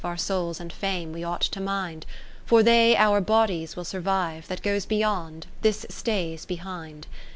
Our souls and fame we ought to mind. For they our bodies will survive ; That goes beyond, this stays behind.